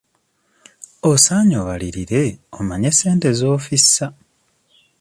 Osaanye obalirire omanye ssente z'ofissa.